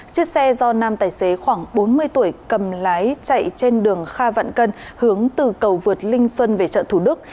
chiếc xe do nam tài xế khoảng bốn mươi tuổi cầm lái chạy trên đường kha vạn cân hướng từ cầu vượt linh xuân về chợ thủ đức